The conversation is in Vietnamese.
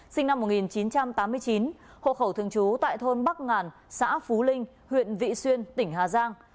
sinh năm một nghìn chín trăm tám mươi chín hộ khẩu thường trú tại thôn bắc ngàn xã phú linh huyện vị xuyên tỉnh hà giang